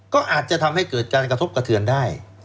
ก็อาจจะทำให้เกิดการกระทบกระเทือนได้